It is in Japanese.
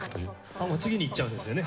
もう次に行っちゃうんですよね。